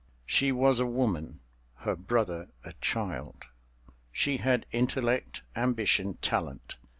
She was a woman—her brother a child. She had intellect, ambition, talent.